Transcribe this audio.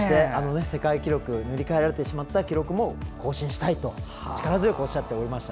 世界記録、塗り替えられた記録も更新したいと力強くおっしゃっていました。